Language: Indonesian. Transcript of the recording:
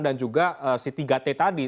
dan juga si tiga t tadi